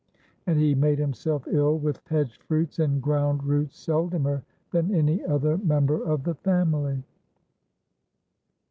And he made himself ill with hedge fruits and ground roots seldomer than any other member of the family.